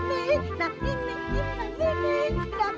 kalian akan kumpulkan